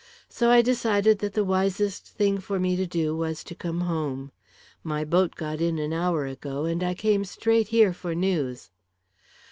So I decided that the wisest thing for me to do was to come home. My boat got in an hour ago and I came straight here for news."